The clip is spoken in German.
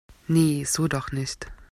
Nee, so doch nicht!